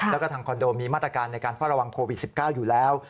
แล้วก็ทางคอนโดมีมาตรการในการเฝ้าระวังโควิด๑๙อยู่แล้ว